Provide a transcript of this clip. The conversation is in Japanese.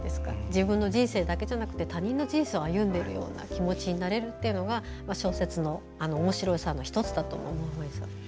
自分の人生だけじゃなくて他人の人生を歩んでいるような気持ちになれるのが小説のおもしろさの１つだと思うんですよ。